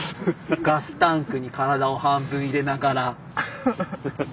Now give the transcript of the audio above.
ガスタンクに体を半分入れながら。